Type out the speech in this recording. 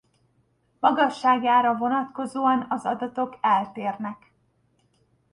Magasságára vonatkozóan az adatok eltérnek.